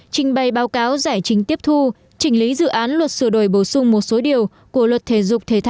trình bày báo cáo giải trình tiếp thu trình lý dự án luật sửa đổi bổ sung một số điều của luật thể dục thể thao